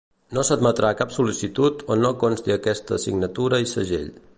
No s'admetrà cap sol·licitud on no consti aquesta signatura i segell.